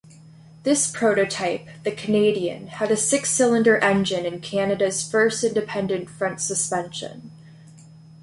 This prototype, the Canadian, had a six-cylinder engine and Canada's first independent front suspension.